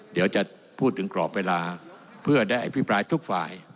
เดี๋ยวจะพูดถึงกรอบเวลาเพื่อได้อภิปรายทุกฝ่าย